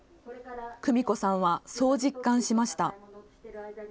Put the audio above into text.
久美子さんは、そう実感しました。